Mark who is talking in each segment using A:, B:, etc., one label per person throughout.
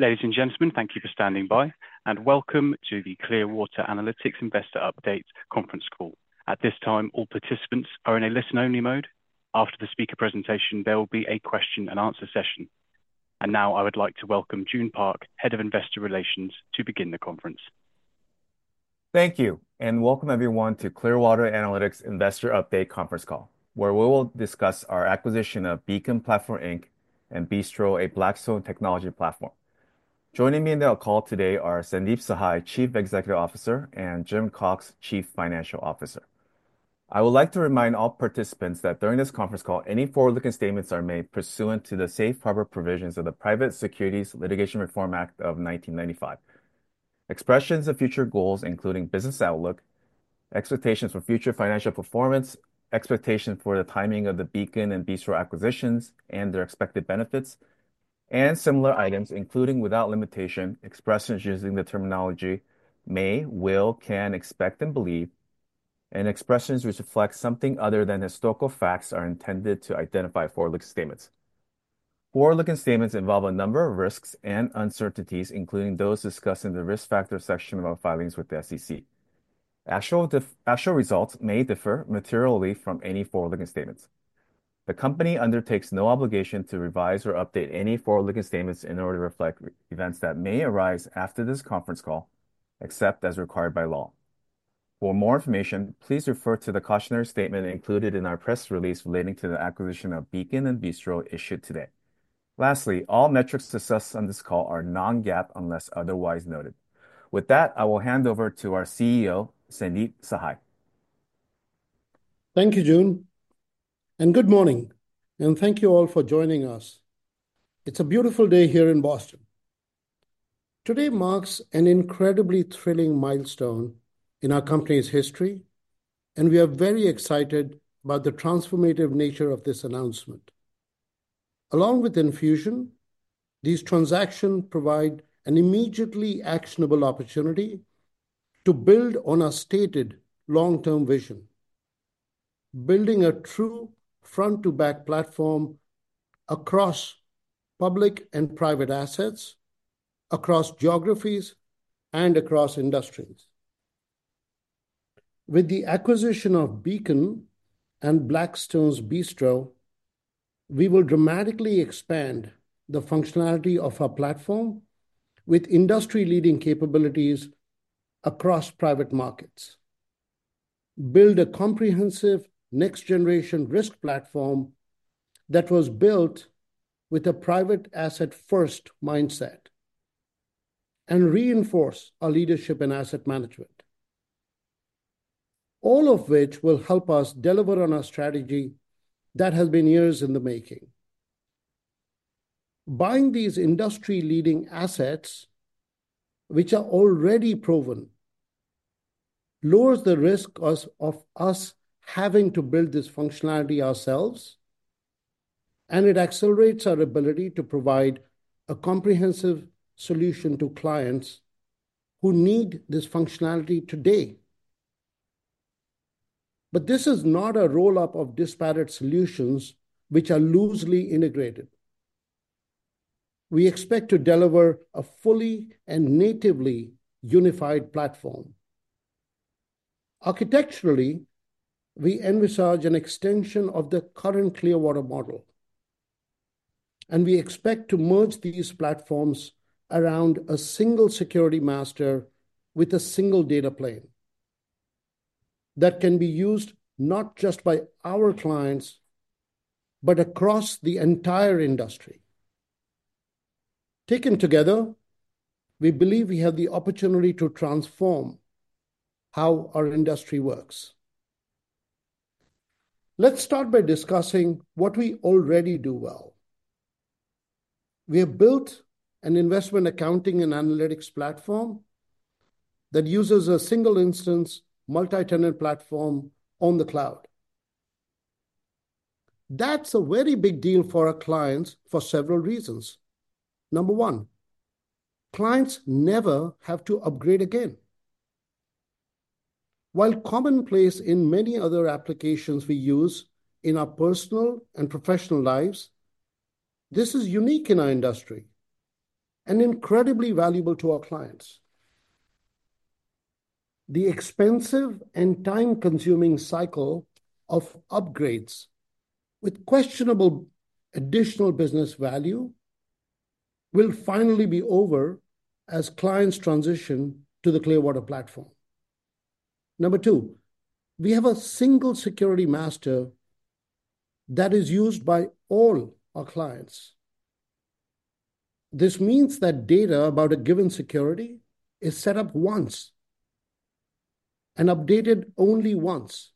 A: Ladies and gentlemen, thank you for standing by, and welcome to the Clearwater Analytics Investor Update Conference Call. At this time, all participants are in a listen-only mode. After the speaker presentation, there will be a question-and-answer session. I would like to welcome Joon Park, Head of Investor Relations, to begin the conference.
B: Thank you, and welcome everyone to Clearwater Analytics Investor Update conference call, where we will discuss our acquisition of Beacon Platform and Bistro, a Blackstone technology platform. Joining me in the call today are Sandeep Sahai, Chief Executive Officer, and Jim Cox, Chief Financial Officer. I would like to remind all participants that during this conference call, any forward-looking statements are made pursuant to the safe harbor provisions of the Private Securities Litigation Reform Act of 1995, expressions of future goals, including business outlook, expectations for future financial performance, expectations for the timing of the Beacon and Bistro acquisitions, and their expected benefits, and similar items, including without limitation, expressions using the terminology may, will, can, expect, and believe, and expressions which reflect something other than historical facts are intended to identify forward-looking statements. Forward-looking statements involve a number of risks and uncertainties, including those discussed in the risk factor section of our filings with the SEC. Actual results may differ materially from any forward-looking statements. The company undertakes no obligation to revise or update any forward-looking statements in order to reflect events that may arise after this conference call, except as required by law. For more information, please refer to the cautionary statement included in our press release relating to the acquisition of Beacon and Bistro issued today. Lastly, all metrics discussed on this call are non-GAAP unless otherwise noted. With that, I will hand over to our CEO, Sandeep Sahai.
C: Thank you, Joon, and good morning, and thank you all for joining us. It's a beautiful day here in Boston. Today marks an incredibly thrilling milestone in our company's history, and we are very excited about the transformative nature of this announcement. Along with Enfusion, these transactions provide an immediately actionable opportunity to build on our stated long-term vision, building a true front-to-back platform across public and private assets, across geographies, and across industries. With the acquisition of Beacon and Blackstone's Bistro, we will dramatically expand the functionality of our platform with industry-leading capabilities across private markets, build a comprehensive next-generation risk platform that was built with a private asset-first mindset, and reinforce our leadership in asset management, all of which will help us deliver on our strategy that has been years in the making. Buying these industry-leading assets, which are already proven, lowers the risk of us having to build this functionality ourselves, and it accelerates our ability to provide a comprehensive solution to clients who need this functionality today. This is not a roll-up of disparate solutions which are loosely integrated. We expect to deliver a fully and natively unified platform. Architecturally, we envisage an extension of the current Clearwater model, and we expect to merge these platforms around a single security master with a single data plane that can be used not just by our clients, but across the entire industry. Taken together, we believe we have the opportunity to transform how our industry works. Let's start by discussing what we already do well. We have built an investment accounting and analytics platform that uses a single-instance multi-tenant platform on the cloud. That's a very big deal for our clients for several reasons. Number one, clients never have to upgrade again. While commonplace in many other applications we use in our personal and professional lives, this is unique in our industry and incredibly valuable to our clients. The expensive and time-consuming cycle of upgrades with questionable additional business value will finally be over as clients transition to the Clearwater platform. Number two, we have a single security master that is used by all our clients. This means that data about a given security is set up once and updated only once.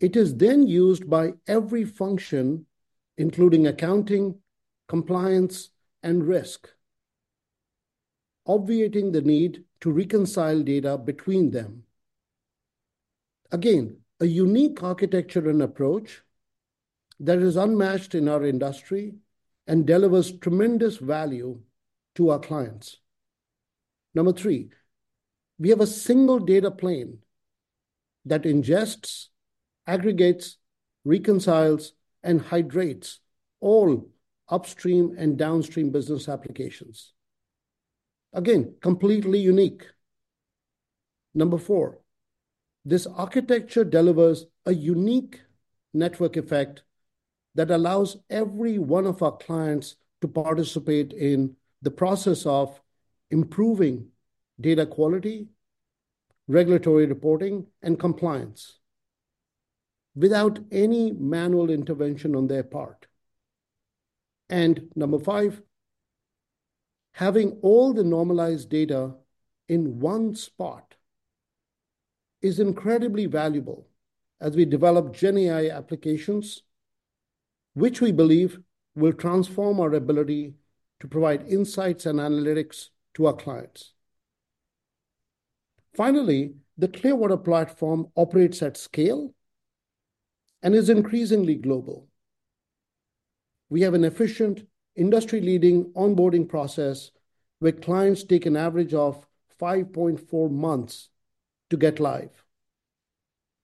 C: It is then used by every function, including accounting, compliance, and risk, obviating the need to reconcile data between them. Again, a unique architecture and approach that is unmatched in our industry and delivers tremendous value to our clients. Number three, we have a single data plane that ingests, aggregates, reconciles, and hydrates all upstream and downstream business applications. Again, completely unique. Number four, this architecture delivers a unique network effect that allows every one of our clients to participate in the process of improving data quality, regulatory reporting, and compliance without any manual intervention on their part. Number five, having all the normalized data in one spot is incredibly valuable as we develop GenAI applications, which we believe will transform our ability to provide insights and analytics to our clients. Finally, the Clearwater Platform operates at scale and is increasingly global. We have an efficient, industry-leading onboarding process where clients take an average of 5.4 months to get live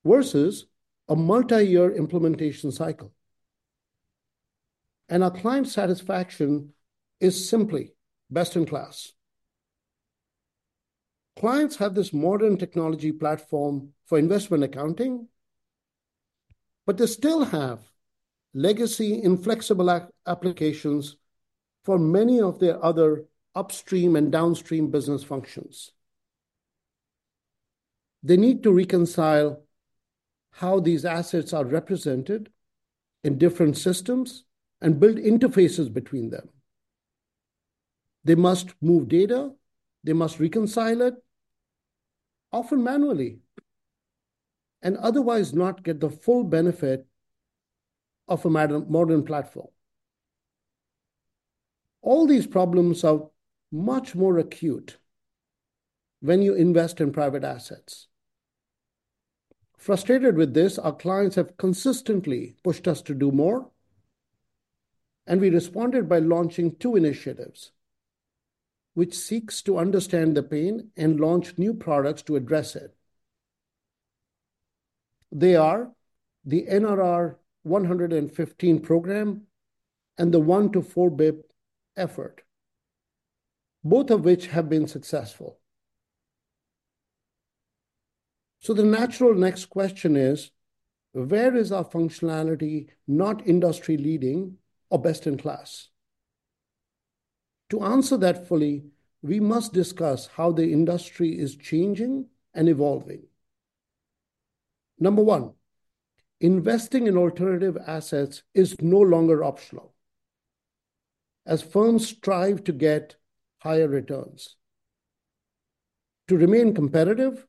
C: versus a multi-year implementation cycle. Our client satisfaction is simply best in class. Clients have this modern technology platform for investment accounting, but they still have legacy inflexible applications for many of their other upstream and downstream business functions. They need to reconcile how these assets are represented in different systems and build interfaces between them. They must move data. They must reconcile it, often manually, and otherwise not get the full benefit of a modern platform. All these problems are much more acute when you invest in private assets. Frustrated with this, our clients have consistently pushed us to do more, and we responded by launching two initiatives, which seek to understand the pain and launch new products to address it. They are the NRR 115 program and the 1-4 basis point effort, both of which have been successful. The natural next question is, where is our functionality not industry-leading or best in class? To answer that fully, we must discuss how the industry is changing and evolving. Number one, investing in alternative assets is no longer optional as firms strive to get higher returns. To remain competitive,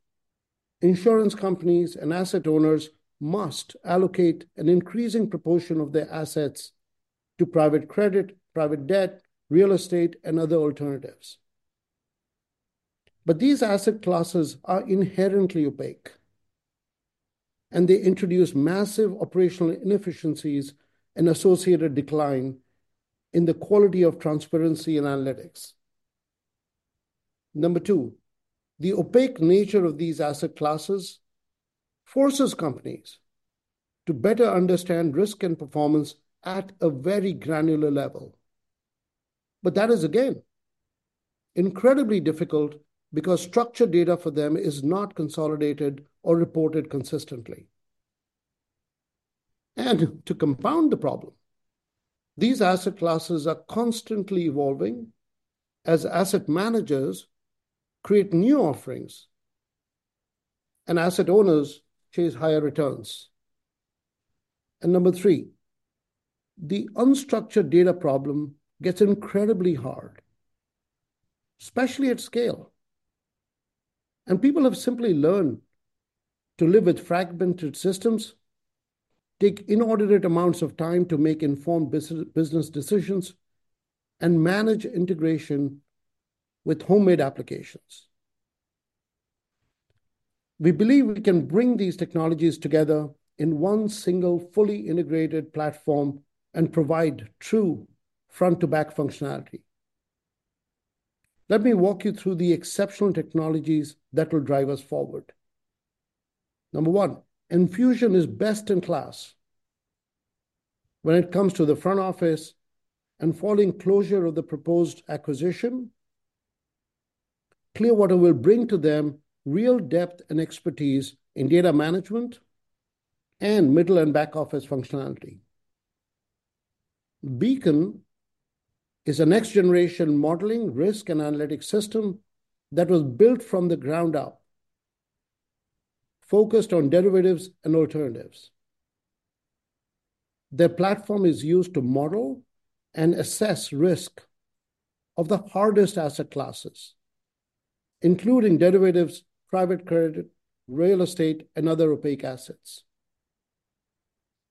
C: insurance companies and asset owners must allocate an increasing proportion of their assets to private credit, private debt, real estate, and other alternatives. These asset classes are inherently opaque, and they introduce massive operational inefficiencies and associated decline in the quality of transparency and analytics. Number two, the opaque nature of these asset classes forces companies to better understand risk and performance at a very granular level. That is, again, incredibly difficult because structured data for them is not consolidated or reported consistently. To compound the problem, these asset classes are constantly evolving as asset managers create new offerings and asset owners chase higher returns. Number three, the unstructured data problem gets incredibly hard, especially at scale. People have simply learned to live with fragmented systems, take inordinate amounts of time to make informed business decisions, and manage integration with homemade applications. We believe we can bring these technologies together in one single fully integrated platform and provide true front-to-back functionality. Let me walk you through the exceptional technologies that will drive us forward. Number one, Enfusion is best in class. When it comes to the front office and following closure of the proposed acquisition, Clearwater will bring to them real depth and expertise in data management and middle and back office functionality. Beacon is a next-generation modeling, risk, and analytic system that was built from the ground up, focused on derivatives and alternatives. Their platform is used to model and assess risk of the hardest asset classes, including derivatives, private credit, real estate, and other opaque assets.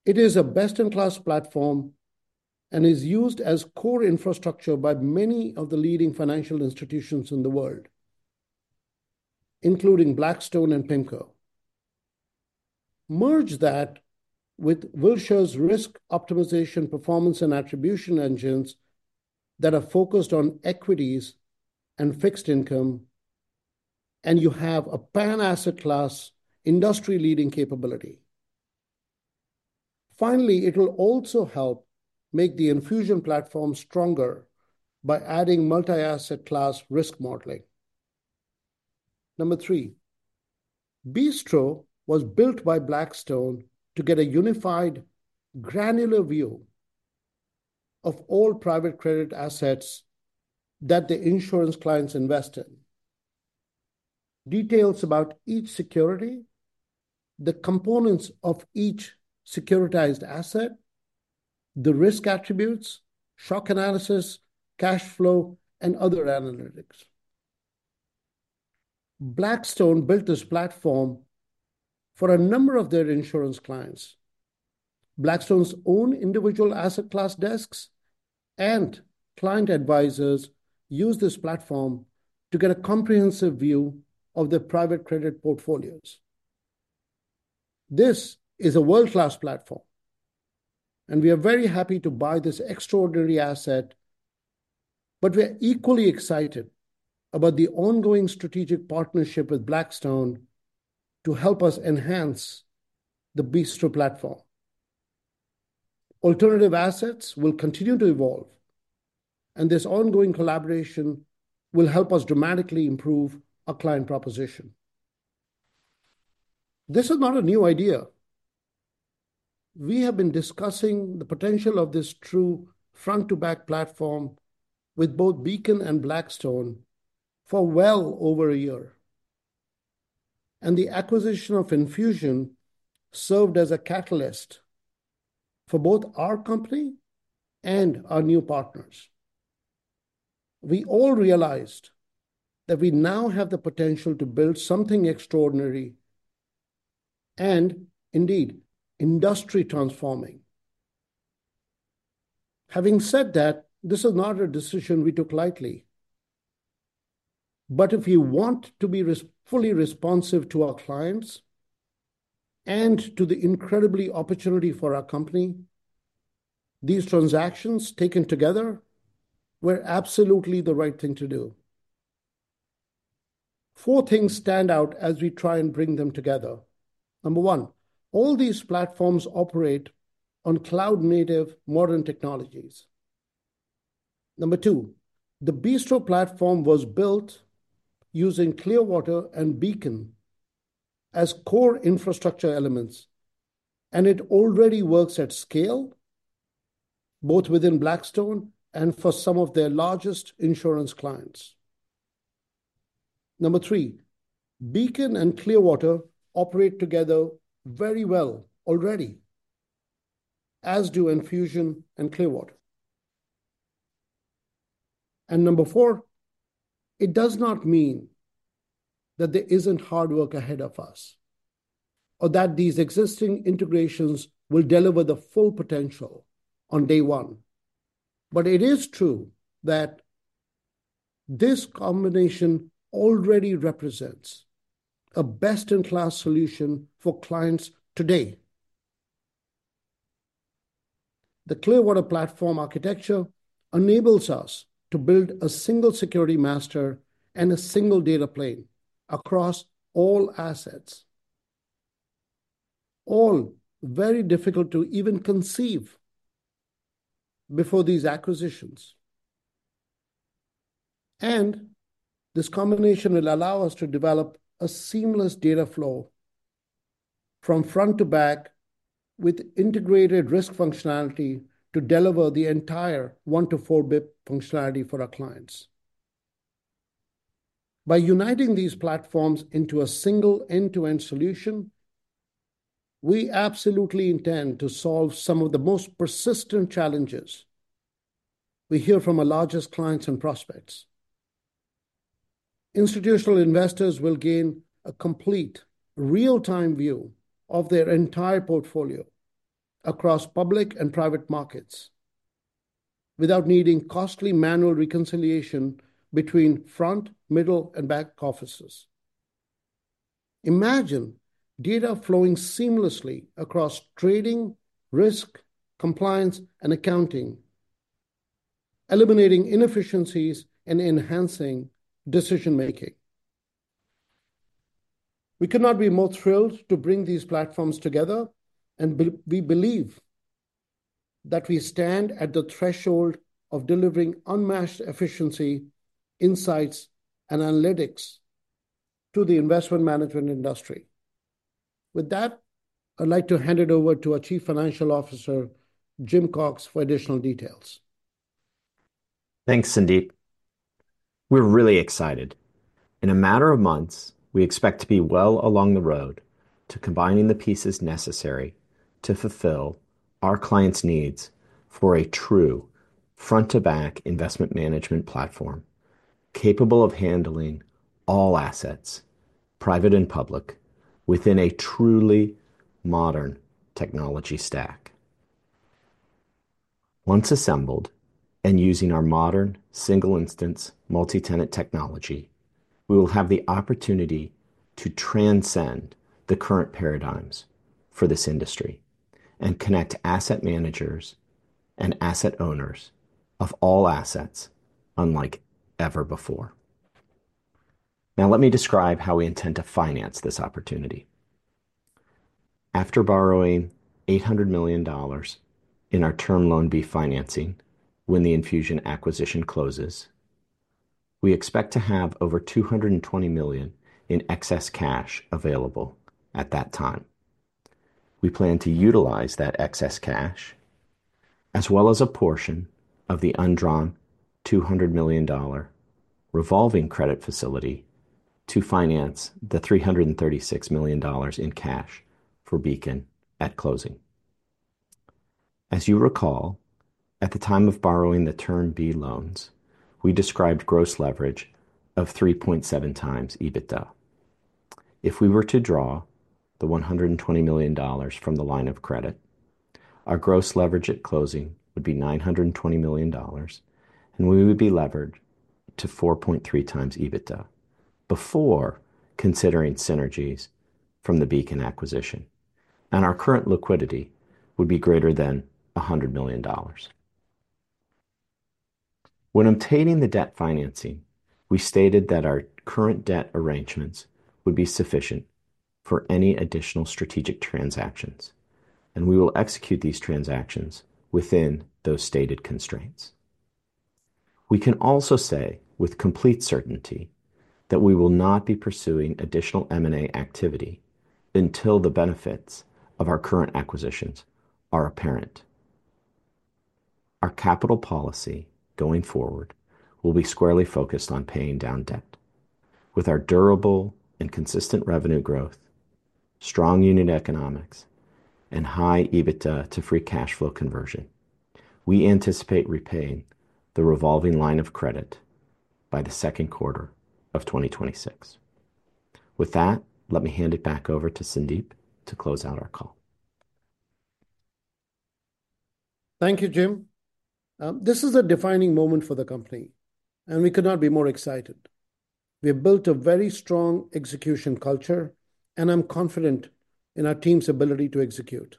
C: It is a best-in-class platform and is used as core infrastructure by many of the leading financial institutions in the world, including Blackstone and PIMCO. Merge that with Wilshire's risk optimization, performance, and attribution engines that are focused on equities and fixed income, and you have a pan-asset class industry-leading capability. Finally, it will also help make the Enfusion platform stronger by adding multi-asset class risk modeling. Number three, Bistro was built by Blackstone to get a unified granular view of all private credit assets that the insurance clients invest in. Details about each security, the components of each securitized asset, the risk attributes, shock analysis, cash flow, and other analytics. Blackstone built this platform for a number of their insurance clients. Blackstone's own individual asset class desks and client advisors use this platform to get a comprehensive view of their private credit portfolios. This is a world-class platform, and we are very happy to buy this extraordinary asset, but we are equally excited about the ongoing strategic partnership with Blackstone to help us enhance the Bistro platform. Alternative assets will continue to evolve, and this ongoing collaboration will help us dramatically improve our client proposition. This is not a new idea. We have been discussing the potential of this true front-to-back platform with both Beacon and Blackstone for well over a year, and the acquisition of Enfusion served as a catalyst for both our company and our new partners. We all realized that we now have the potential to build something extraordinary and indeed industry-transforming. Having said that, this is not a decision we took lightly. If we want to be fully responsive to our clients and to the incredible opportunity for our company, these transactions taken together were absolutely the right thing to do. Four things stand out as we try and bring them together. Number one, all these platforms operate on cloud-native modern technologies. Number two, the Bistro platform was built using Clearwater and Beacon as core infrastructure elements, and it already works at scale both within Blackstone and for some of their largest insurance clients. Number three, Beacon and Clearwater operate together very well already, as do Enfusion and Clearwater. Number four, it does not mean that there is not hard work ahead of us or that these existing integrations will deliver the full potential on day one. It is true that this combination already represents a best-in-class solution for clients today. The Clearwater platform architecture enables us to build a single security master and a single data plane across all assets, all very difficult to even conceive before these acquisitions. This combination will allow us to develop a seamless data flow from front to back with integrated risk functionality to deliver the entire 1-4 basis points functionality for our clients. By uniting these platforms into a single end-to-end solution, we absolutely intend to solve some of the most persistent challenges we hear from our largest clients and prospects. Institutional investors will gain a complete real-time view of their entire portfolio across public and private markets without needing costly manual reconciliation between front, middle, and back offices. Imagine data flowing seamlessly across trading, risk, compliance, and accounting, eliminating inefficiencies and enhancing decision-making. We could not be more thrilled to bring these platforms together, and we believe that we stand at the threshold of delivering unmatched efficiency, insights, and analytics to the investment management industry. With that, I'd like to hand it over to our Chief Financial Officer, Jim Cox, for additional details.
D: Thanks, Sandeep. We're really excited. In a matter of months, we expect to be well along the road to combining the pieces necessary to fulfill our clients' needs for a true front-to-back investment management platform capable of handling all assets, private and public, within a truly modern technology stack. Once assembled and using our modern single-instance multi-tenant technology, we will have the opportunity to transcend the current paradigms for this industry and connect asset managers and asset owners of all assets unlike ever before. Now, let me describe how we intend to finance this opportunity. After borrowing $800 million in our Term Loan B financing when the Enfusion acquisition closes, we expect to have over $220 million in excess cash available at that time. We plan to utilize that excess cash as well as a portion of the undrawn $200 million revolving credit facility to finance the $336 million in cash for Beacon at closing. As you recall, at the time of borrowing the term B loans, we described gross leverage of 3.7 times EBITDA. If we were to draw the $120 million from the line of credit, our gross leverage at closing would be $920 million, and we would be levered to 4.3 times EBITDA before considering synergies from the Beacon acquisition, and our current liquidity would be greater than $100 million. When obtaining the debt financing, we stated that our current debt arrangements would be sufficient for any additional strategic transactions, and we will execute these transactions within those stated constraints. We can also say with complete certainty that we will not be pursuing additional M&A activity until the benefits of our current acquisitions are apparent. Our capital policy going forward will be squarely focused on paying down debt. With our durable and consistent revenue growth, strong unit economics, and high EBITDA to free cash flow conversion, we anticipate repaying the revolving line of credit by the second quarter of 2026. With that, let me hand it back over to Sandeep to close out our call.
C: Thank you, Jim. This is a defining moment for the company, and we could not be more excited. We have built a very strong execution culture, and I'm confident in our team's ability to execute.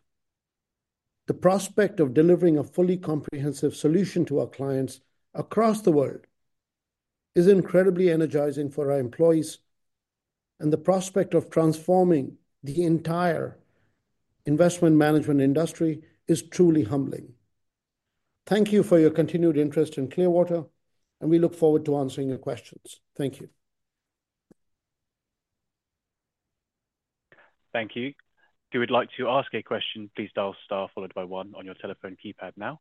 C: The prospect of delivering a fully comprehensive solution to our clients across the world is incredibly energizing for our employees, and the prospect of transforming the entire investment management industry is truly humbling. Thank you for your continued interest in Clearwater, and we look forward to answering your questions.
A: Thank you. If you would like to ask a question, please dial star followed by one on your telephone keypad now.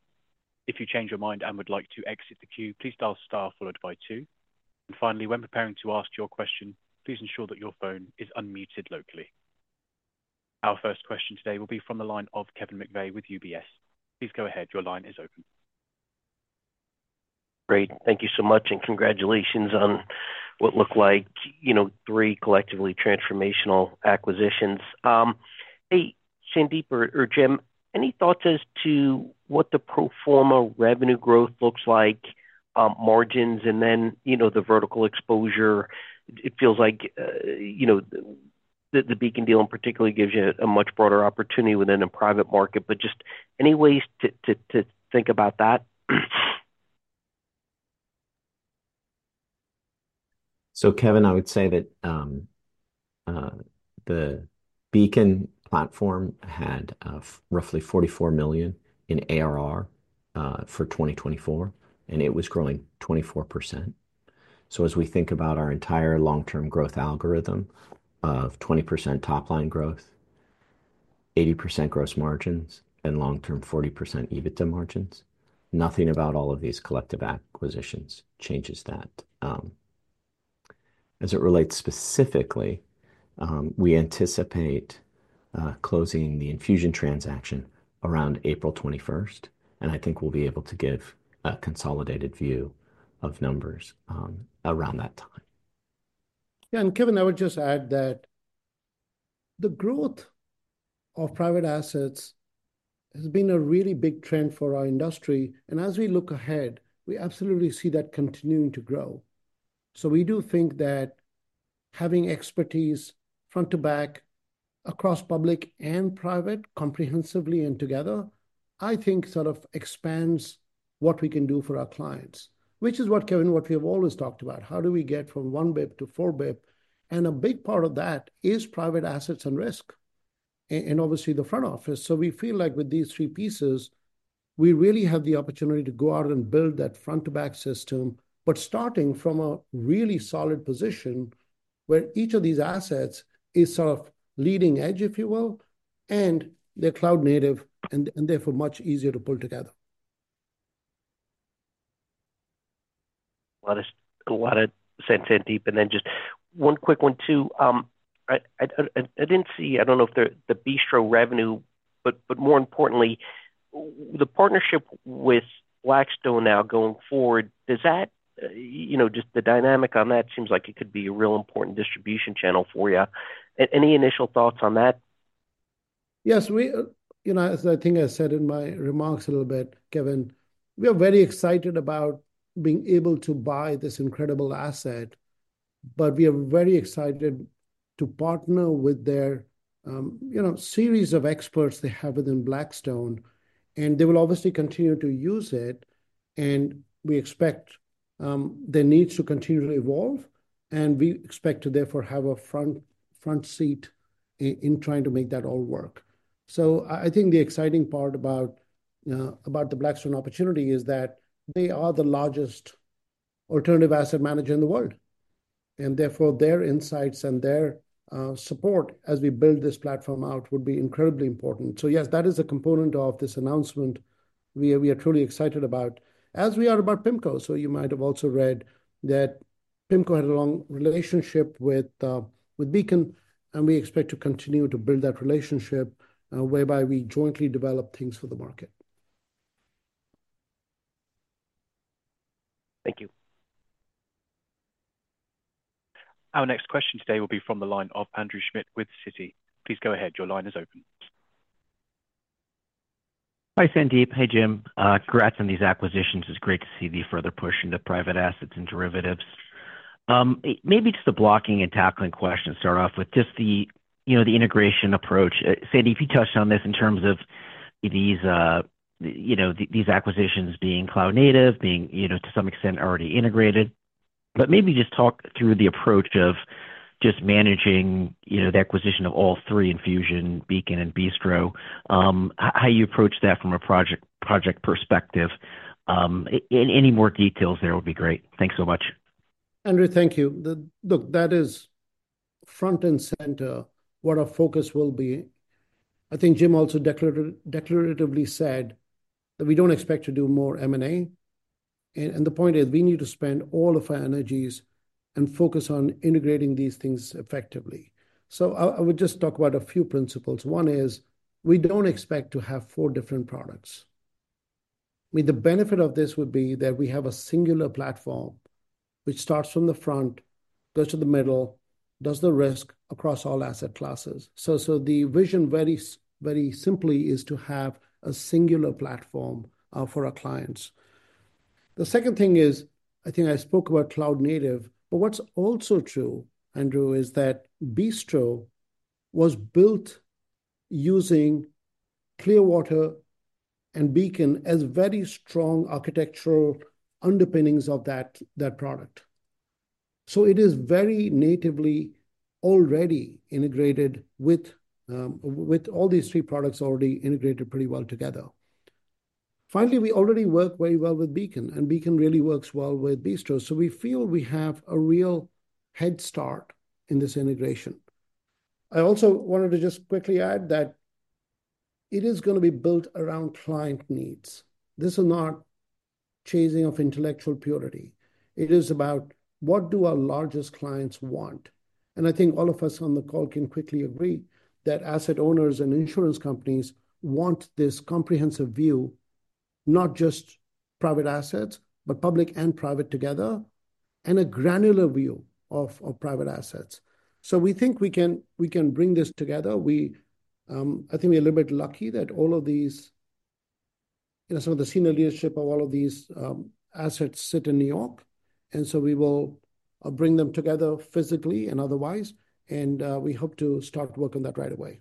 A: If you change your mind and would like to exit the queue, please dial star followed by two. Finally, when preparing to ask your question, please ensure that your phone is unmuted locally. Our first question today will be from the line of Kevin McVeigh with UBS. Please go ahead. Your line is open.
E: Great. Thank you so much, and congratulations on what looked like three collectively transformational acquisitions. Hey, Sandeep or Jim, any thoughts as to what the pro forma revenue growth looks like, margins, and then the vertical exposure? It feels like the Beacon deal in particular gives you a much broader opportunity within a private market, but just any ways to think about that?
D: Kevin, I would say that the Beacon platform had roughly $44 million in ARR for 2024, and it was growing 24%. As we think about our entire long-term growth algorithm of 20% top-line growth, 80% gross margins, and long-term 40% EBITDA margins, nothing about all of these collective acquisitions changes that. As it relates specifically, we anticipate closing the Enfusion transaction around April 21, and I think we will be able to give a consolidated view of numbers around that time.
C: Yeah. Kevin, I would just add that the growth of private assets has been a really big trend for our industry, and as we look ahead, we absolutely see that continuing to grow. We do think that having expertise front to back across public and private comprehensively and together, I think sort of expands what we can do for our clients, which is what, Kevin, what we have always talked about. How do we get from 1 basis point to 4 basis points? A big part of that is private assets and risk, and obviously the front office. We feel like with these three pieces, we really have the opportunity to go out and build that front-to-back system, but starting from a really solid position where each of these assets is sort of leading edge, if you will, and they are cloud-native, and therefore much easier to pull together.
E: A lot of sense, Sandeep. Just one quick one too. I did not see, I do not know if the Bistro revenue, but more importantly, the partnership with Blackstone now going forward, does that, just the dynamic on that seems like it could be a real important distribution channel for you. Any initial thoughts on that?
C: Yes. As I think I said in my remarks a little bit, Kevin, we are very excited about being able to buy this incredible asset, but we are very excited to partner with their series of experts they have within Blackstone, and they will obviously continue to use it, and we expect their needs to continue to evolve, and we expect to therefore have a front seat in trying to make that all work. I think the exciting part about the Blackstone opportunity is that they are the largest alternative asset manager in the world, and therefore their insights and their support as we build this platform out would be incredibly important. Yes, that is a component of this announcement we are truly excited about, as we are about PIMCO. You might have also read that PIMCO had a long relationship with Beacon, and we expect to continue to build that relationship whereby we jointly develop things for the market.
E: Thank you.
A: Our next question today will be from the line of Andrew Schmidt with Citi. Please go ahead. Your line is open.
F: Hi, Sandeep. Hey, Jim. Congrats on these acquisitions. It's great to see the further push into private assets and derivatives. Maybe just a blocking and tackling question to start off with, just the integration approach. Sandeep, you touched on this in terms of these acquisitions being cloud-native, being to some extent already integrated, but maybe just talk through the approach of just managing the acquisition of all three: Enfusion, Beacon, and Bistro, how you approach that from a project perspective. Any more details there would be great. Thanks so much.
C: Andrew, thank you. Look, that is front and center what our focus will be. I think Jim also declaratively said that we do not expect to do more M&A, and the point is we need to spend all of our energies and focus on integrating these things effectively. I would just talk about a few principles. One is we do not expect to have four different products. I mean, the benefit of this would be that we have a singular platform which starts from the front, goes to the middle, does the risk across all asset classes. The vision very simply is to have a singular platform for our clients. The second thing is, I think I spoke about cloud-native, but what's also true, Andrew, is that Bistro was built using Clearwater and Beacon as very strong architectural underpinnings of that product. It is very natively already integrated with all these three products already integrated pretty well together. Finally, we already work very well with Beacon, and Beacon really works well with Bistro. We feel we have a real head start in this integration. I also wanted to just quickly add that it is going to be built around client needs. This is not chasing of intellectual purity. It is about what do our largest clients want. I think all of us on the call can quickly agree that asset owners and insurance companies want this comprehensive view, not just private assets, but public and private together, and a granular view of private assets. We think we can bring this together. I think we're a little bit lucky that some of the senior leadership of all of these assets sit in New York, and we will bring them together physically and otherwise, and we hope to start work on that right away.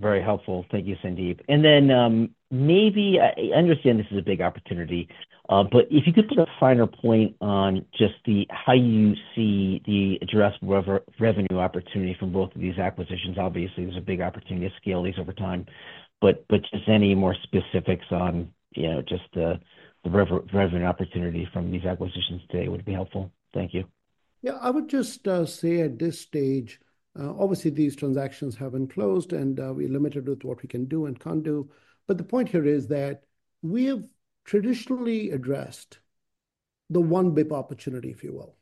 F: Very helpful. Thank you, Sandeep. Maybe I understand this is a big opportunity, but if you could put a finer point on just how you see the addressable revenue opportunity from both of these acquisitions. Obviously, there's a big opportunity to scale these over time, but just any more specifics on just the revenue opportunity from these acquisitions today would be helpful. Thank you.
C: Yeah. I would just say at this stage, obviously these transactions have been closed, and we are limited with what we can do and can't do. The point here is that we have traditionally addressed the 1 basis point opportunity, if you will.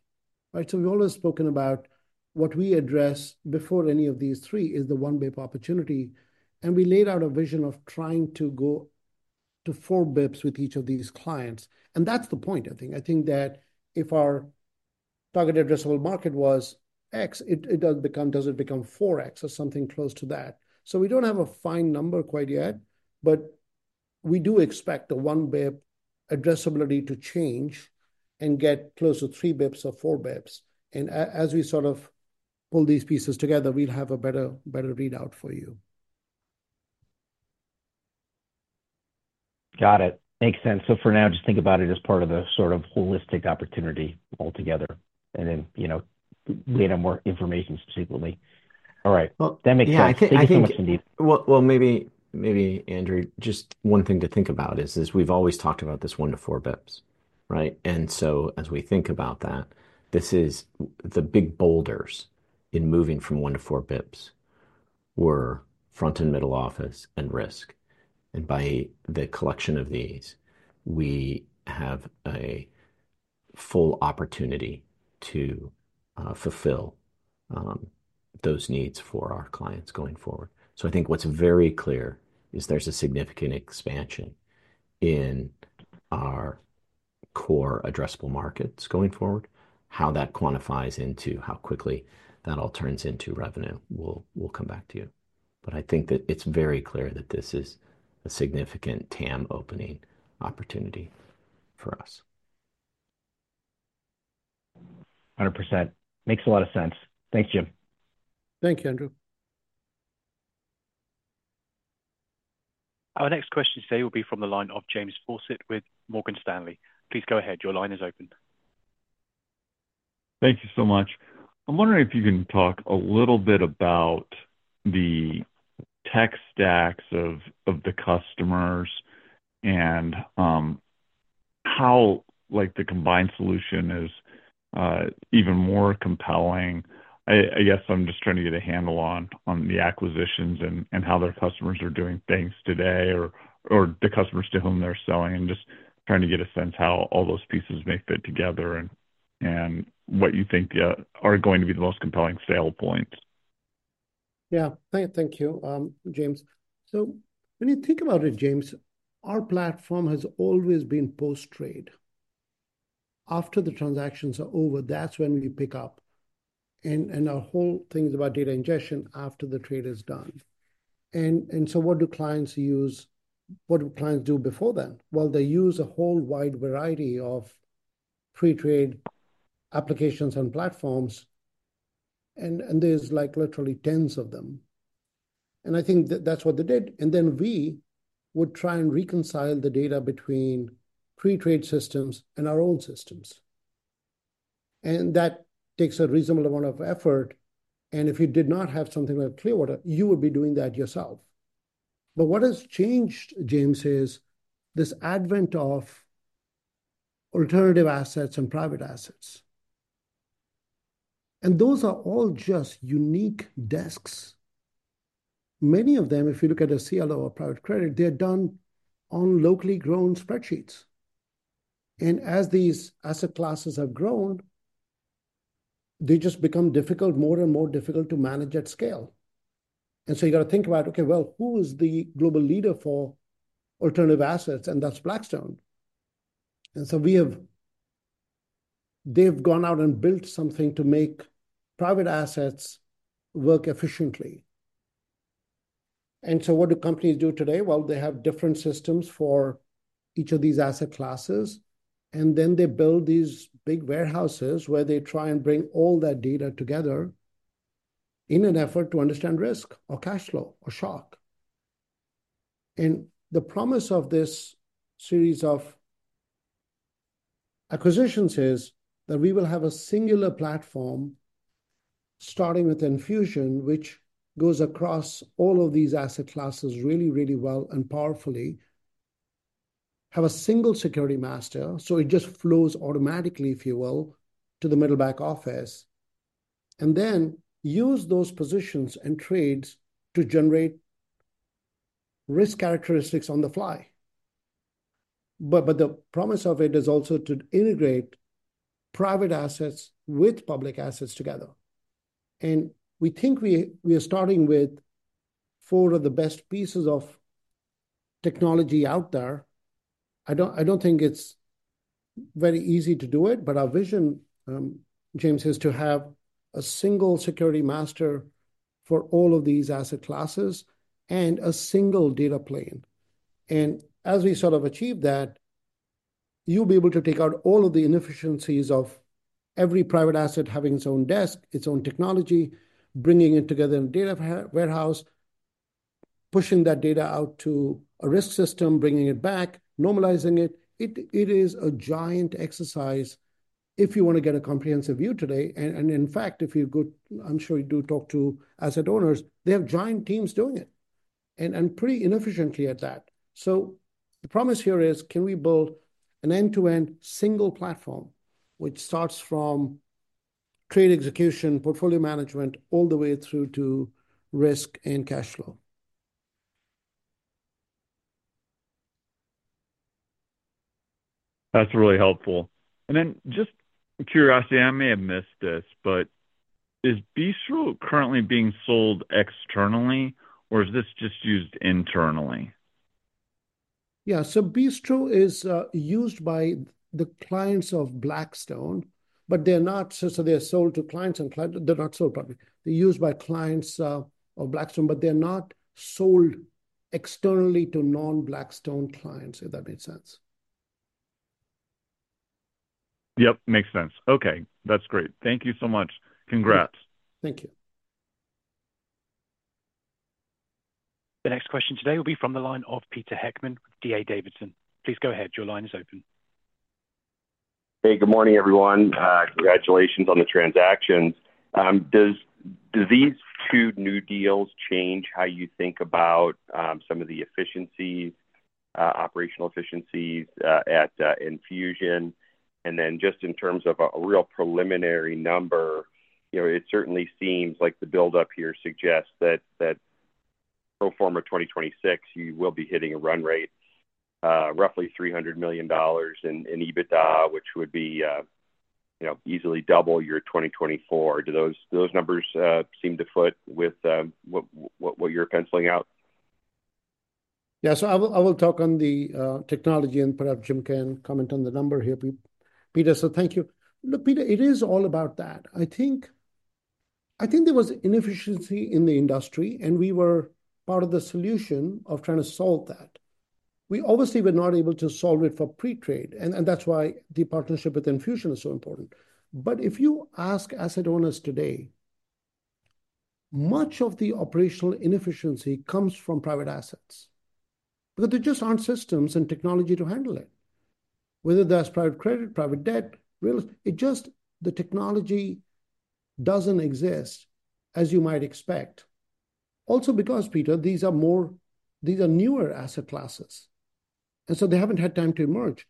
C: Right? We've always spoken about what we address before any of these three is the 1 basis point opportunity, and we laid out a vision of trying to go to 4 basis points with each of these clients. That's the point, I think. I think that if our target addressable market was X, it does become, does it become 4X or something close to that. We do not have a fine number quite yet, but we do expect the 1 basis point addressability to change and get close to 3 basis points or 4 basis points. As we sort of pull these pieces together, we will have a better readout for you.
F: Got it. Makes sense. For now, just think about it as part of the sort of holistic opportunity altogether, and then later more information specifically. All right. That makes sense. Thank you so much, Sandeep.
D: Maybe, Andrew, just one thing to think about is we have always talked about this 1-4 basis points, right? As we think about that, the big boulders in moving from 1-4 basis points were front and middle office and risk. By the collection of these, we have a full opportunity to fulfill those needs for our clients going forward. I think what's very clear is there's a significant expansion in our core addressable markets going forward. How that quantifies into how quickly that all turns into revenue will come back to you. I think that it's very clear that this is a significant TAM opening opportunity for us. 100%.
F: Makes a lot of sense. Thanks, Jim.
C: Thank you, Andrew.
A: Our next question, say, will be from the line of James Faucette with Morgan Stanley. Please go ahead. Your line is open.
G: Thank you so much. I'm wondering if you can talk a little bit about the tech stacks of the customers and how the combined solution is even more compelling. I guess I'm just trying to get a handle on the acquisitions and how their customers are doing things today or the customers to whom they're selling and just trying to get a sense how all those pieces may fit together and what you think are going to be the most compelling sale points.
C: Yeah. Thank you, James. When you think about it, James, our platform has always been post-trade. After the transactions are over, that's when we pick up. Our whole thing is about data ingestion after the trade is done. What do clients use? What do clients do before then? They use a whole wide variety of pre-trade applications and platforms, and there's literally tens of them. I think that's what they did. Then we would try and reconcile the data between pre-trade systems and our own systems. That takes a reasonable amount of effort. If you did not have something like Clearwater, you would be doing that yourself. What has changed, James, is this advent of alternative assets and private assets. Those are all just unique desks. Many of them, if you look at a CLO or private credit, are done on locally grown spreadsheets. As these asset classes have grown, they just become more and more difficult to manage at scale. You have to think about, okay, who is the global leader for alternative assets? That is Blackstone. They have gone out and built something to make private assets work efficiently. What do companies do today? They have different systems for each of these asset classes, and then they build these big warehouses where they try and bring all that data together in an effort to understand risk or cash flow or shock. The promise of this series of acquisitions is that we will have a singular platform starting with Enfusion, which goes across all of these asset classes really, really well and powerfully, have a single security master. It just flows automatically, if you will, to the middle back office and then use those positions and trades to generate risk characteristics on the fly. The promise of it is also to integrate private assets with public assets together. We think we are starting with four of the best pieces of technology out there. I don't think it's very easy to do it, but our vision, James, is to have a single security master for all of these asset classes and a single data plane. As we sort of achieve that, you'll be able to take out all of the inefficiencies of every private asset having its own desk, its own technology, bringing it together in a data warehouse, pushing that data out to a risk system, bringing it back, normalizing it. It is a giant exercise if you want to get a comprehensive view today. In fact, if you, and I'm sure you do, talk to asset owners, they have giant teams doing it and pretty inefficiently at that. The promise here is, can we build an end-to-end single platform which starts from trade execution, portfolio management, all the way through to risk and cash flow?
G: That's really helpful. Just curiosity, I may have missed this, but is Bistro currently being sold externally, or is this just used internally?
C: Yeah. Bistro is used by the clients of Blackstone, but they're not, so they're sold to clients and clients, they're not sold publicly. They're used by clients of Blackstone, but they're not sold externally to non-Blackstone clients, if that makes sense.
G: Yep. Makes sense. Okay. That's great. Thank you so much. Congrats.
C: Thank you.
A: The next question today will be from the line of Peter Heckmann with D.A. Davidson. Please go ahead. Your line is open.
H: Hey, good morning, everyone. Congratulations on the transactions. Do these two new deals change how you think about some of the efficiencies, operational efficiencies at Enfusion? Then just in terms of a real preliminary number, it certainly seems like the buildup here suggests that pro forma 2026, you will be hitting a run rate roughly $300 million in EBITDA, which would be easily double your 2024. Do those numbers seem to foot with what you're penciling out?
C: Yeah. I will talk on the technology, and perhaps Jim can comment on the number here. Peter, thank you. Look, Peter, it is all about that. I think there was inefficiency in the industry, and we were part of the solution of trying to solve that. We obviously were not able to solve it for pre-trade, and that's why the partnership with Enfusion is so important. If you ask asset owners today, much of the operational inefficiency comes from private assets because there just aren't systems and technology to handle it. Whether that's private credit, private debt, it just, the technology doesn't exist as you might expect. Also because, Peter, these are newer asset classes, and so they haven't had time to emerge.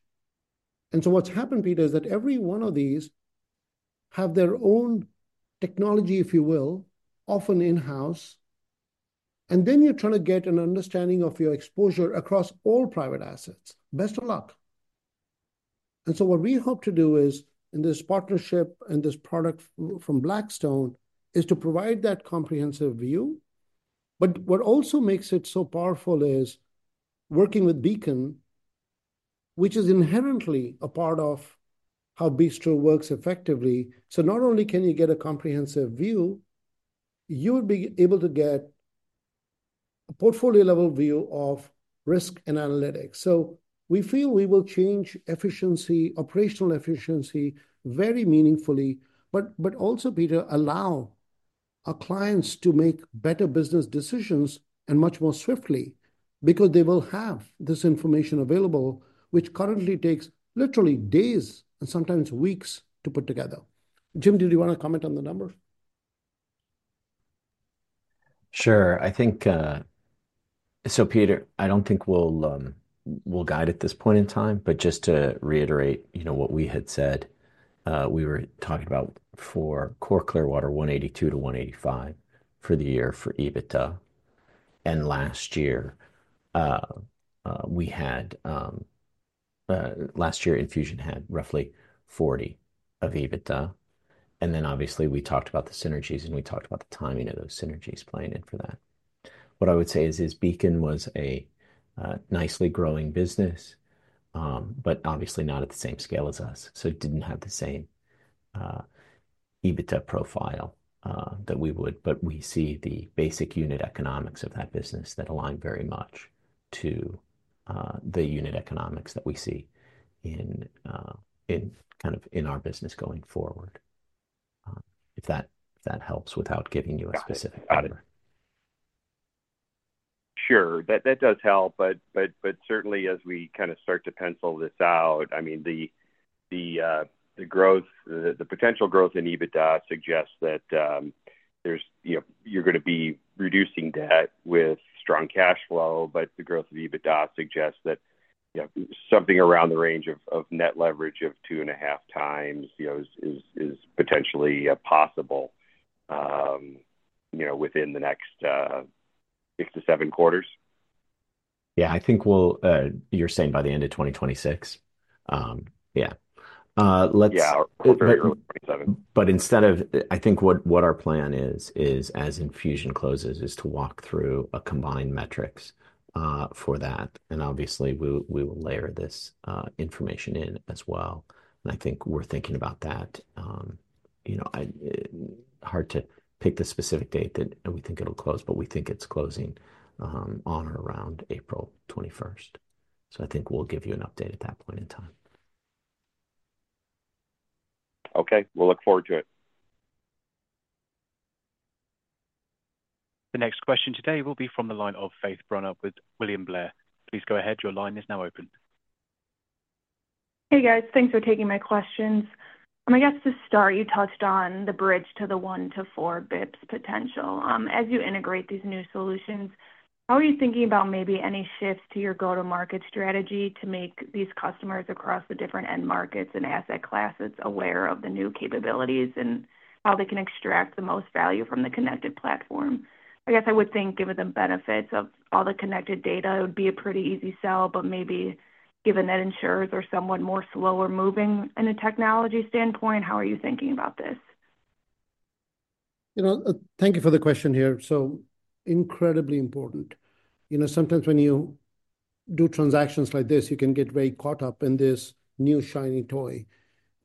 C: What's happened, Peter, is that every one of these have their own technology, if you will, often in-house. Then you're trying to get an understanding of your exposure across all private assets. Best of luck. What we hope to do is, in this partnership and this product from Blackstone, is to provide that comprehensive view. What also makes it so powerful is working with Beacon, which is inherently a part of how Bistro works effectively. Not only can you get a comprehensive view, you would be able to get a portfolio-level view of risk and analytics. We feel we will change efficiency, operational efficiency very meaningfully, but also, Peter, allow our clients to make better business decisions and much more swiftly because they will have this information available, which currently takes literally days and sometimes weeks to put together. Jim, did you want to comment on the numbers?
D: Sure. I think so, Peter, I don't think we'll guide at this point in time, but just to reiterate what we had said, we were talking about for core Clearwater $182 million-$185 million for the year for EBITDA. Last year, we had, last year, Enfusion had roughly $40 million of EBITDA. Obviously we talked about the synergies, and we talked about the timing of those synergies playing in for that. What I would say is Beacon was a nicely growing business, but obviously not at the same scale as us. It did not have the same EBITDA profile that we would, but we see the basic unit economics of that business that align very much to the unit economics that we see in our business going forward, if that helps without giving you a specific audit.
H: Sure. That does help. Certainly, as we start to pencil this out, I mean, the growth, the potential growth in EBITDA suggests that you are going to be reducing debt with strong cash flow, but the growth of EBITDA suggests that something around the range of net leverage of two and a half times is potentially possible within the next six to seven quarters.
D: Yeah. I think you are saying by the end of 2026? Yeah. Let's, yeah, or early 2027. Instead of, I think what our plan is, as Enfusion closes, is to walk through combined metrics for that. Obviously, we will layer this information in as well. I think we're thinking about that. Hard to pick the specific date that we think it'll close, but we think it's closing on or around April 21. I think we'll give you an update at that point in time.
H: Okay. We'll look forward to it.
A: The next question today will be from the line of Faith Brunner with William Blair. Please go ahead. Your line is now open.
I: Hey, guys. Thanks for taking my questions. I guess to start, you touched on the bridge to the one to four basis points potential. As you integrate these new solutions, how are you thinking about maybe any shifts to your go-to-market strategy to make these customers across the different end markets and asset classes aware of the new capabilities and how they can extract the most value from the connected platform? I guess I would think given the benefits of all the connected data, it would be a pretty easy sell, but maybe given that insurers are somewhat more slower moving in a technology standpoint, how are you thinking about this?
C: Thank you for the question here. Incredibly important. Sometimes when you do transactions like this, you can get very caught up in this new shiny toy.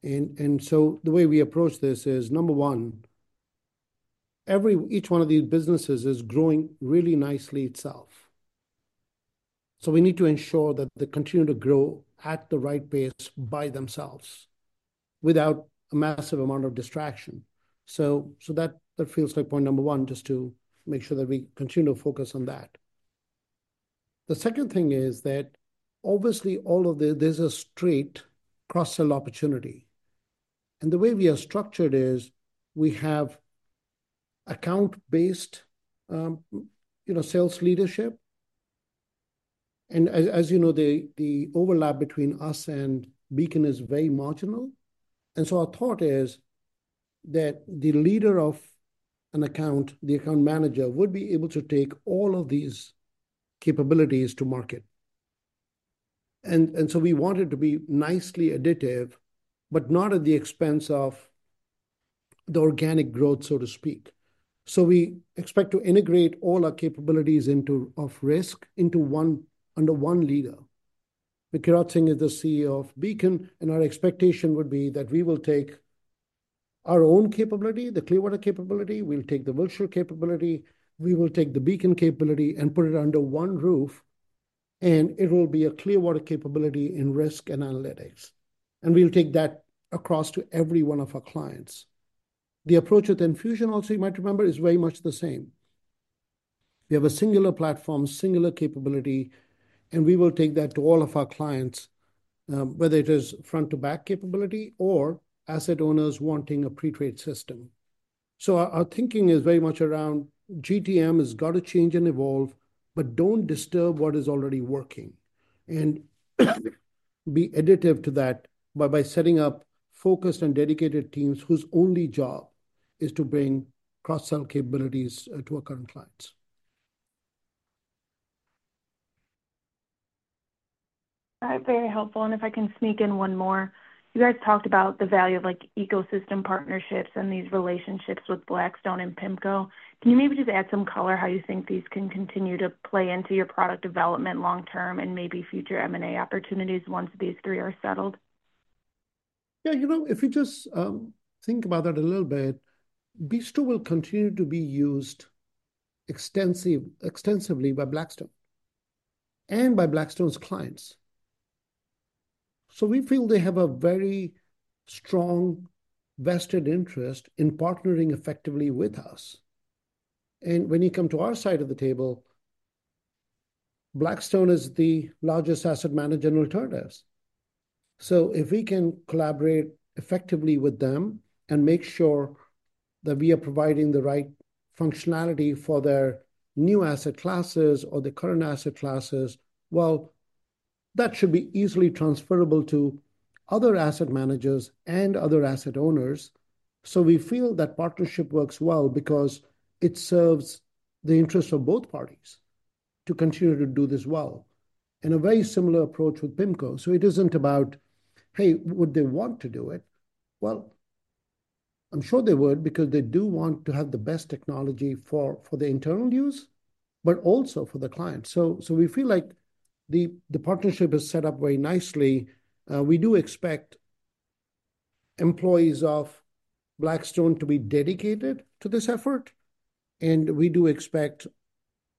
C: The way we approach this is, number one, each one of these businesses is growing really nicely itself. We need to ensure that they continue to grow at the right pace by themselves without a massive amount of distraction. That feels like point number one, just to make sure that we continue to focus on that. The second thing is that obviously all of this, there's a straight cross-sell opportunity. The way we are structured is we have account-based sales leadership. As you know, the overlap between us and Beacon is very marginal. Our thought is that the leader of an account, the account manager, would be able to take all of these capabilities to market. We want it to be nicely additive, but not at the expense of the organic growth, so to speak. We expect to integrate all our capabilities of risk into under one leader. Kirat Singh is the CEO of Beacon, and our expectation would be that we will take our own capability, the Clearwater capability, we'll take the Wilshire capability, we will take the Beacon capability and put it under one roof, and it will be a Clearwater capability in risk and analytics. We will take that across to every one of our clients. The approach with Enfusion also, you might remember, is very much the same. We have a singular platform, singular capability, and we will take that to all of our clients, whether it is front-to-back capability or asset owners wanting a pre-trade system. Our thinking is very much around GTM has got to change and evolve, but do not disturb what is already working. Be additive to that by setting up focused and dedicated teams whose only job is to bring cross-sell capabilities to our current clients.
I: That's very helpful. If I can sneak in one more, you guys talked about the value of ecosystem partnerships and these relationships with Blackstone and PIMCO. Can you maybe just add some color how you think these can continue to play into your product development long-term and maybe future M&A opportunities once these three are settled?
C: If you just think about that a little bit, Bistro will continue to be used extensively by Blackstone and by Blackstone's clients. We feel they have a very strong vested interest in partnering effectively with us. When you come to our side of the table, Blackstone is the largest asset manager in alternatives. If we can collaborate effectively with them and make sure that we are providing the right functionality for their new asset classes or the current asset classes, that should be easily transferable to other asset managers and other asset owners. We feel that partnership works well because it serves the interests of both parties to continue to do this well in a very similar approach with PIMCO. It is not about, hey, would they want to do it? I am sure they would because they do want to have the best technology for the internal use, but also for the client. We feel like the partnership is set up very nicely. We do expect employees of Blackstone to be dedicated to this effort. We do expect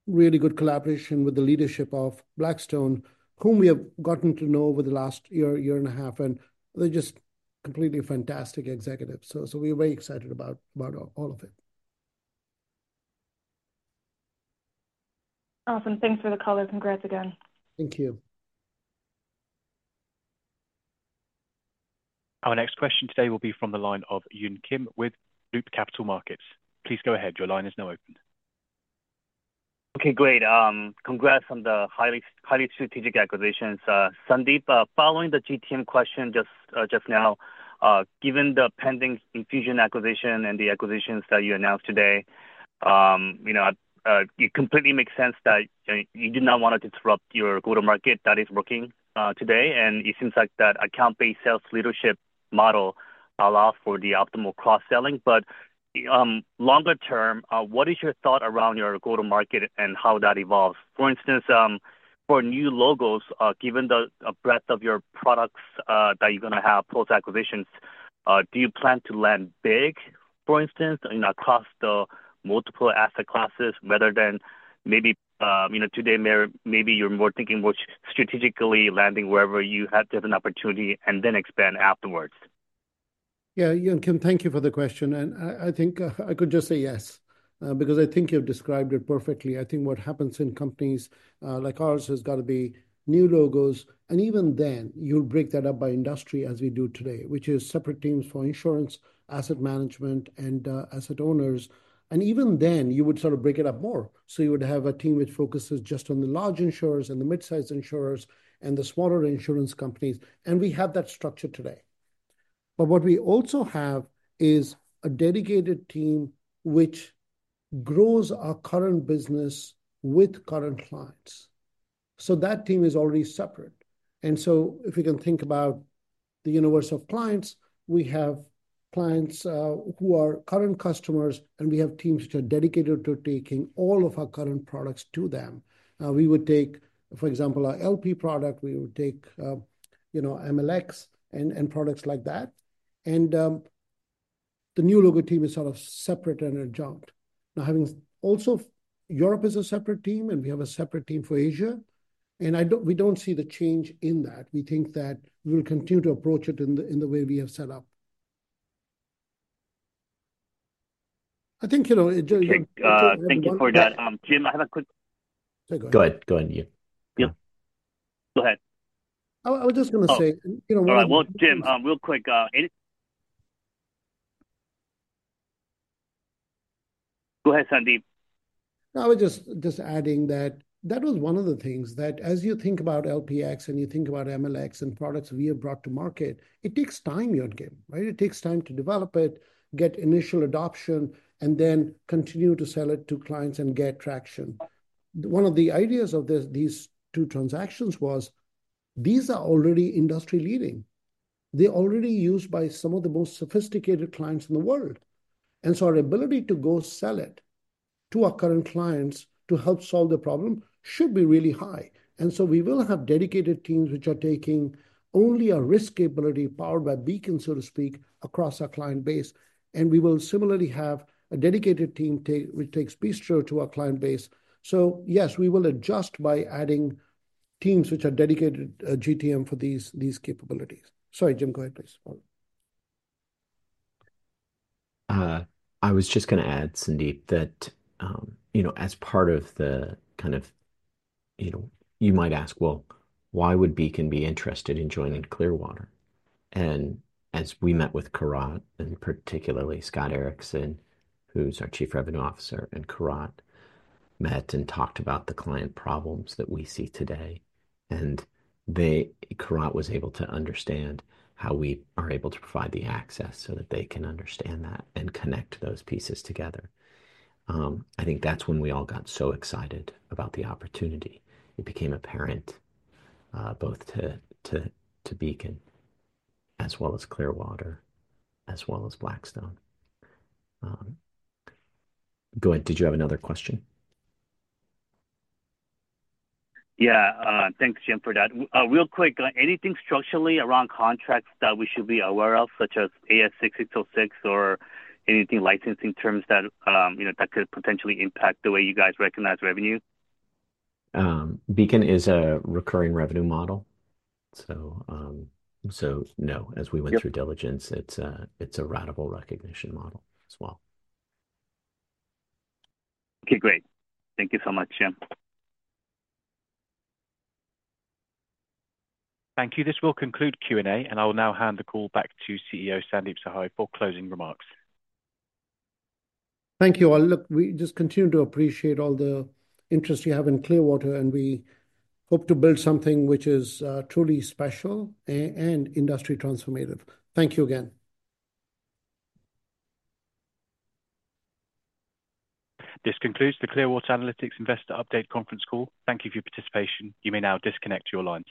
C: really good collaboration with the leadership of Blackstone, whom we have gotten to know over the last year, year and a half, and they are just completely fantastic executives. We are very excited about all of it.
I: Awesome. Thanks for the color. Congrats again.
C: Thank you.
A: Our next question today will be from the line of Yun Kim with Loop Capital Markets. Please go ahead. Your line is now open.
J: Okay. Great. Congrats on the highly strategic acquisitions. Sandeep, following the GTM question just now, given the pending Enfusion acquisition and the acquisitions that you announced today, it completely makes sense that you do not want to disrupt your go-to-market that is working today. It seems like that account-based sales leadership model allows for the optimal cross-selling. Longer term, what is your thought around your go-to-market and how that evolves? For instance, for new logos, given the breadth of your products that you're going to have post-acquisitions, do you plan to land big, for instance, across the multiple asset classes rather than maybe today, maybe you're more thinking more strategically landing wherever you have different opportunity and then expand afterwards?
C: Yeah. Yun Kim, thank you for the question. I think I could just say yes because I think you've described it perfectly. I think what happens in companies like ours has got to be new logos. Even then, you'll break that up by industry as we do today, which is separate teams for insurance, asset management, and asset owners. Even then, you would sort of break it up more. You would have a team which focuses just on the large insurers and the mid-sized insurers and the smaller insurance companies. We have that structure today. What we also have is a dedicated team which grows our current business with current clients. That team is already separate. If you can think about the universe of clients, we have clients who are current customers, and we have teams which are dedicated to taking all of our current products to them. We would take, for example, our LP product. We would take MLX and products like that. The new logo team is sort of separate and adjunct now. Also, Europe is a separate team, and we have a separate team for Asia. We do not see the change in that. We think that we will continue to approach it in the way we have set up. I think—
J: Thank you for that. Jim, I have a quick—go ahead. Go ahead. You. Go ahead. I was just going to say—all right. Jim, real quick. Go ahead, Sandeep.
C: I was just adding that that was one of the things that as you think about LPx and you think about MLx and products we have brought to market, it takes time, Yun Kim, right? It takes time to develop it, get initial adoption, and then continue to sell it to clients and get traction. One of the ideas of these two transactions was these are already industry-leading. They're already used by some of the most sophisticated clients in the world. Our ability to go sell it to our current clients to help solve the problem should be really high. We will have dedicated teams which are taking only a risk capability powered by Beacon, so to speak, across our client base. We will similarly have a dedicated team which takes Bistro to our client base. Yes, we will adjust by adding teams which are dedicated GTM for these capabilities. Sorry, Jim, go ahead, please.
D: I was just going to add, Sandeep, that as part of the kind of—you might ask, why would Beacon be interested in joining Clearwater? As we met with Kirat, and particularly Scott Erickson, who is our Chief Revenue Officer, and Kirat met and talked about the client problems that we see today. Kirat was able to understand how we are able to provide the access so that they can understand that and connect those pieces together. I think that is when we all got so excited about the opportunity. It became apparent both to Beacon as well as Clearwater, as well as Blackstone. Go ahead. Did you have another question?
J: Yeah. Thanks, Jim, for that. Real quick, anything structurally around contracts that we should be aware of, such as ASC 606 or anything licensing terms that could potentially impact the way you guys recognize revenue?
D: Beacon is a recurring revenue model. No, as we went through diligence, it's a ratable recognition model as well.
J: Okay. Great. Thank you so much, Jim.
A: Thank you. This will conclude Q&A, and I will now hand the call back to CEO Sandeep Sahai for closing remarks.
C: Thank you all. Look, we just continue to appreciate all the interest you have in Clearwater, and we hope to build something which is truly special and industry transformative. Thank you again.
A: This concludes the Clearwater Analytics Investor Update Conference Call. Thank you for your participation. You may now disconnect your lines.